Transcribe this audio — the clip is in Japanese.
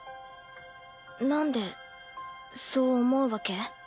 なんでそう思うわけ？